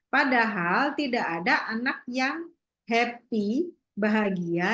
padahal tidak ada anak yang happy bahagia